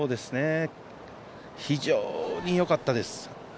非常によかったです。